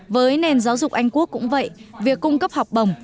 với nền giáo dục anh quốc cũng vậy việc cung cấp học bổng